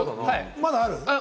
まだある？